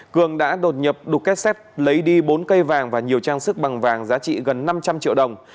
cường đã đột nhập đục kết xét lấy đi bốn cây vàng và nhiều trang sức bằng vàng giá trị gần năm trăm linh triệu đồng